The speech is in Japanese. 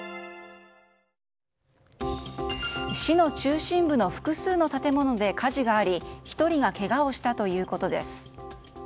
市の中心部の複数の建物で火事があり１人がけがをしたということです。